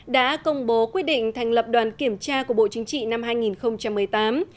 đã công bố quyết định thành lập đoàn kiểm tra của bộ chính trị năm hai nghìn một mươi tám